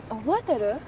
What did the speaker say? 覚えてる？